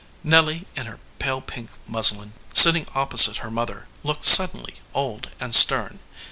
Nelly in her pale pink muslin, sitting opposite her mother, looked suddenly old and stern.